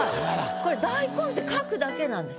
これ「大根」って書くだけなんです。